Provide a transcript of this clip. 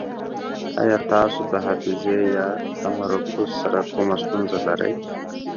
ایا تاسو د حافظې یا تمرکز سره کومه ستونزه لرئ؟